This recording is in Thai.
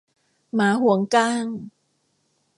หมาหวงก้าง